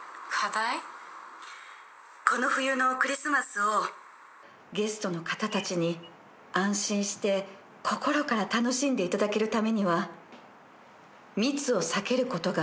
この冬のクリスマスをゲストの方たちに安心して心から楽しんでいただけるためには。